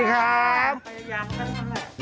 น้องเขาล่างอยู่